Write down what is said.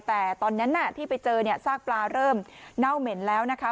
แต่ตอนนั้นที่ไปเจอเนี่ยซากปลาเริ่มเน่าเหม็นแล้วนะคะ